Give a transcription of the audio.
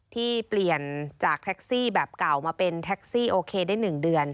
ที่เปลี่ยนจากแท็กซี่แบบเก่ามาเป็นแท็กซี่โอเคได้๑เดือน